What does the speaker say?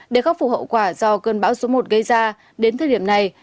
để khắc phục hậu quả do cơn bão số một gây ra đến thời điểm này